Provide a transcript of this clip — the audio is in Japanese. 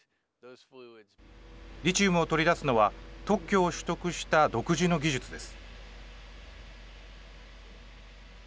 リチウムを取り出すのは特許を取得した独自の技術です。